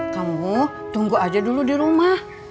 kamu tunggu aja dulu di rumah